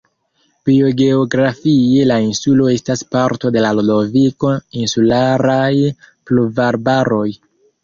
Biogeografie la insulo estas parto de la Ludovik-insularaj pluvarbaroj.